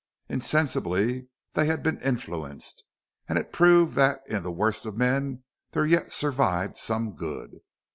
Insensibly they had been influenced, and it proved that in the worst of men there yet survived some good.